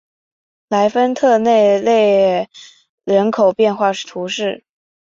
莱丰特内勒人口变化图示